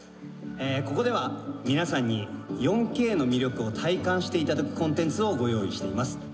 ここでは皆さんに４Ｋの魅力を体感していただくコンテンツをご用意しています。